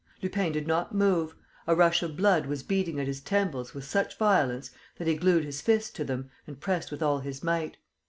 Lupin did not move. A rush of blood was beating at his temples with such violence that he glued his fists to them and pressed with all his might.